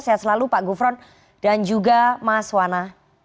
sehat selalu pak gufron dan juga mas wana